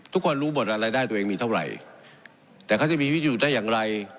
ทุกคนรู้บทว่ารายได้ตัวเองมีเท่าไหร่แต่เขาจะมีวิธีได้อย่างไร